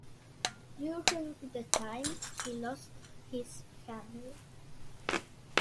During the time, he lost his family.